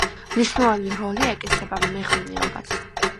მნიშვნელოვანი როლი ეკისრება მეღვინეობას.